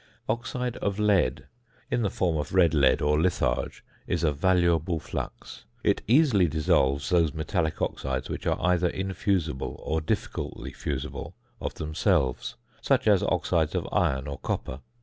~Oxide of Lead~, in the form of red lead or litharge, is a valuable flux; it easily dissolves those metallic oxides which are either infusible or difficultly fusible of themselves, such as oxides of iron or copper.